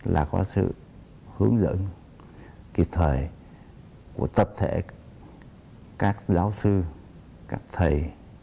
là có sự hướng dẫn kịp thời của tập thể các giáo sư các thầy